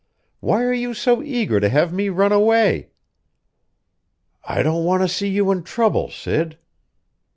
"Why are you so eager to have me run away?" "I don't want to see you in trouble, Sid."